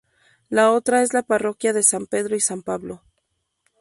La otra es la parroquia de San Pedro y San Pablo.